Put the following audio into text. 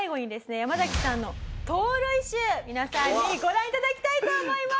ヤマザキさんの盗塁集皆さんにご覧頂きたいと思います。